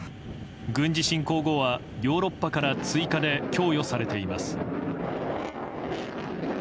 軍事侵攻後はヨーロッパから追加で供与されています。